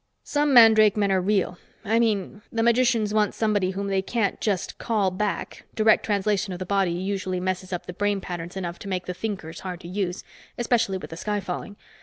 "Some mandrake men are real. I mean, the magicians want somebody whom they can't just call back direct translation of the body usually messes up the brain patterns enough to make the thinkers hard to use, especially with the sky falling.